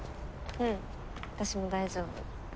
うん私も大丈夫。